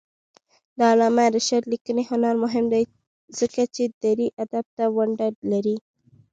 د علامه رشاد لیکنی هنر مهم دی ځکه چې دري ادب ته ونډه لري.